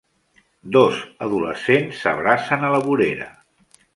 Dos adolescents s'abracen a la vorera.